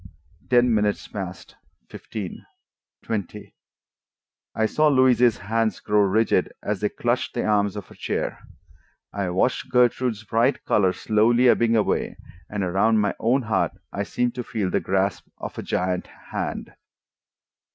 Ten minutes passed, fifteen, twenty. I saw Louise's hands grow rigid as they clutched the arms of her chair. I watched Gertrude's bright color slowly ebbing away, and around my own heart I seemed to feel the grasp of a giant hand.